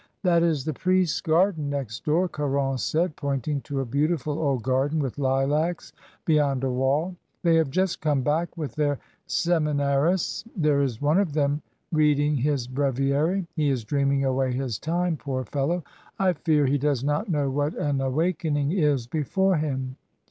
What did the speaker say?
"That is the priests' garden next door," Caron said, pointing to a beautiful old garden, with lilacs, beyond a wall. "They have just come back with their semi narists; there is one of them reading his breviary. He is dreaming away his time, poor fellow! I fear he does not know what an awakening is before him."